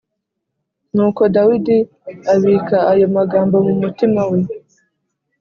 Nuko Dawidi abika ayo magambo mu mutima we